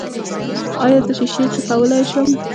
ایا زه شیشې څکولی شم؟